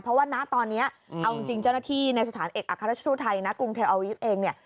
เพราะว่าณตอนนี้เอาจริงเจ้าหน้าที่ในสถานเอกอัครราชทูลไทยนะกรุงเทลอาวิฟต์เองเนี่ย